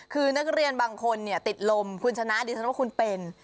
คือนักเรียนบางคนติดลมคุณชนะดิฉันว่าคุณเป็น